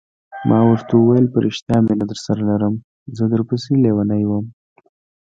ما ورته وویل: په رښتیا مینه درسره لرم، زه در پسې لیونی وم.